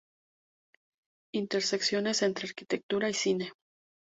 Intersecciones entre arquitectura y cine.